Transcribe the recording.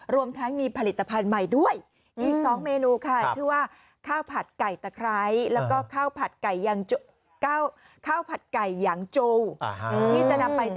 รวมทั้งมีผลิตภัณฑ์ใหม่ด้วยอีก๒เมนูค่ะ